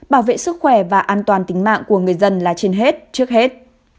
bảo vệ sức khỏe và an toàn tính mạng của người dân là trên hết trước hết